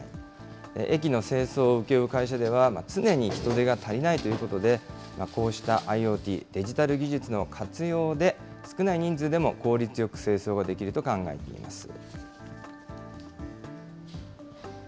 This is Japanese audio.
駅の清掃を請け負う会社では、常に人手が足りないということで、こうしたＩｏＴ、デジタル技術の活用で少ない人数でも効率よく清掃ができると考えています。